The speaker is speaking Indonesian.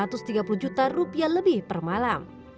tarifnya bisa mencapai satu ratus tiga puluh juta rupiah lebih per malam